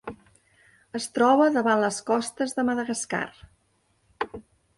Es troba davant les costes de Madagascar.